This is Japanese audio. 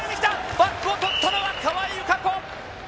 バックを取ったのは川井友香子。